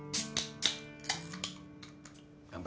乾杯。